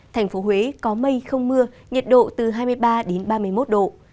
thành phố huế có mây không mưa nhiệt độ từ hai mươi ba đến ba mươi một độ